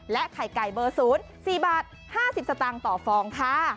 ไข่ไก่เบอร์๐๔บาท๕๐สตางค์ต่อฟองค่ะ